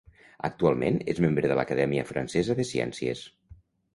Actualment, és membre de l'Acadèmia Francesa de Ciències.